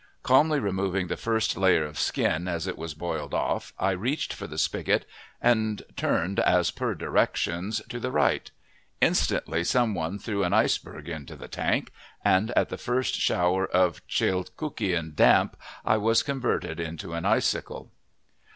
Calmly removing the first layer of skin as it was boiled off, I reached for the spigot and turned as per directions, to the right. Instantly some one threw an iceberg into the tank and at the first shower of Chilkootian damp I was converted into an icicle.